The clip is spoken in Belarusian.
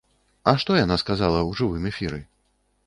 А што яна сказала ў жывым эфіры?